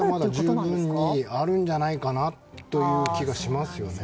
まだまだ十分にあるんじゃないかという気がしますね。